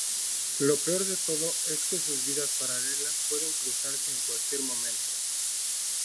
Lo peor de todo es que sus vidas "paralelas" pueden cruzarse en cualquier momento.